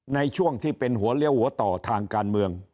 ในช่วงที่เป็นหัวเลี้ยวหัวต่อทางการเมือง